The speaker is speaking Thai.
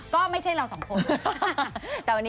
ก็ไม่ใช่เราสองคน